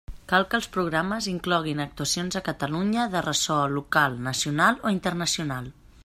Cal que els programes incloguin actuacions a Catalunya de ressò local, nacional o internacional.